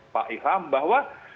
pak ilham bahwa